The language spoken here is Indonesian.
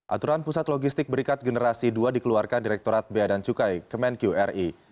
aturan pusat logistik berikat generasi ii dikeluarkan direkturat b a dan cukai kemen qri